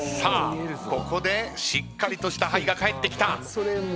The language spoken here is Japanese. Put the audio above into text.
ここでしっかりとした「はい」が返ってきた。